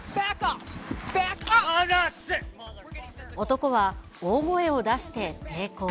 男は大声を出して抵抗。